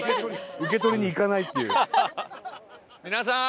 受け取りに行かないっていう。